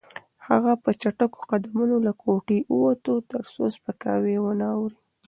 هغه په چټکو قدمونو له کوټې ووته ترڅو سپکاوی ونه اوري.